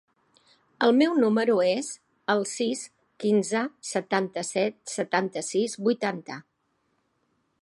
El meu número es el sis, quinze, setanta-set, setanta-sis, vuitanta.